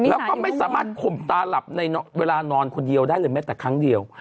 แล้วก็ไม่สามารถข่มตาหลับในเวลานอนคนเดียวได้เลยแม้แต่ครั้งเดียว